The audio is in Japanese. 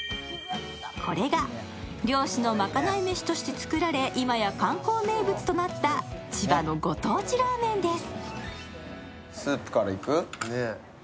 これが漁師のまかない飯として作られて、今や観光名物となった千葉のご当地ラーメンです。